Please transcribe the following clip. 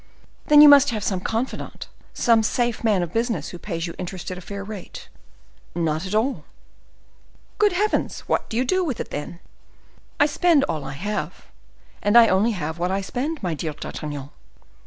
"Then you must have some confidant, some safe man of business who pays you interest at a fair rate." "Not at all." "Good heavens! what do you do with it, then?" "I spend all I have, and I only have what I spend, my dear D'Artagnan."